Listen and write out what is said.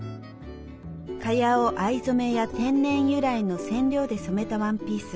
蚊帳を藍染めや天然由来の染料で染めたワンピース。